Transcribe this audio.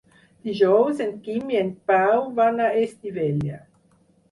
Dijous en Quim i en Pau van a Estivella.